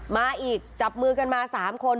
มาอีกจับมือกันมา๓คน